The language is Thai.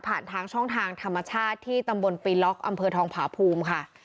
ทางช่องทางธรรมชาติที่ตำบลปีล็อกอำเภอทองผาภูมิค่ะ